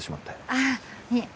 ああいえ